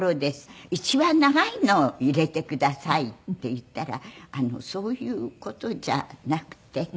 「一番長いのを入れてください」って言ったら「そういう事じゃなくて」って。